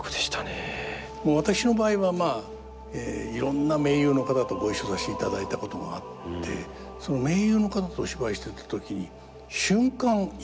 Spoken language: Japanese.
私の場合はまあいろんな名優の方とご一緒させていただいたことがあってその名優の方とお芝居してた時に瞬間「今俺はどこにいるの？